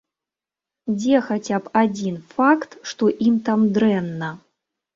Дзе хаця б адзін факт, што ім там дрэнна?